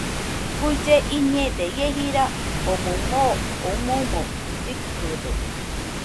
Guille iñede, ie jira omoɨ moo omoɨmo llɨkɨde